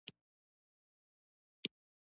هغه د مرسل ګلونو خوا ته تاوه شوه.